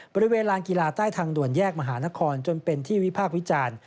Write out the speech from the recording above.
บริเวณลานกีฬาใต้ทางด่วนแยกมหานครจนเป็นที่วิพากษ์วิจารณ์